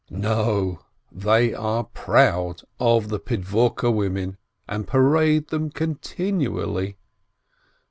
No, they are proud of the Pidvorke women, and parade them continually.